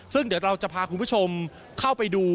ซึ่งเดี๋ยวเราจะพาคุณผู้ชมเข้าไปดู